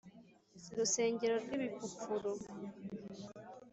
rusengo rw’ibipfupfuru